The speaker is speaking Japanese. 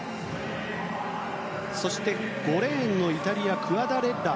そして、５レーンのイタリアクアダレッラ。